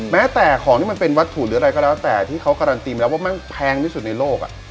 แม้แต่ของที่มันเป็นวัตถุหรืออะไรก็แล้วแต่ที่เขาการันตีมาแล้วว่ามันแพงที่สุดในโลก